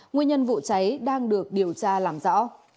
nguyên nhân vụ cháy đang được điều tra làm rõ